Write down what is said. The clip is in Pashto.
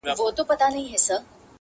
• پر مزار به مي څراغ د میني بل وي -